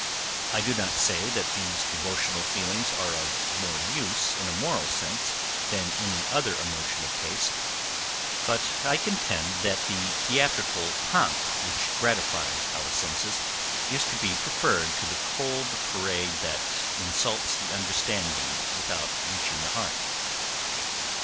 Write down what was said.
I do not say, that these devotional feelings are of more use, in a moral sense, than any other emotion of taste; but I contend, that the theatrical pomp which gratifies our senses, is to be preferred to the cold parade that insults the understanding without reaching the heart.